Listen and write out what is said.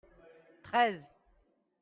treize.